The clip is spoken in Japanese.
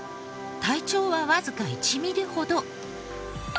体長はわずか１ミリほど。